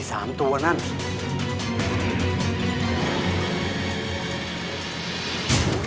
จัดเต็มให้เลย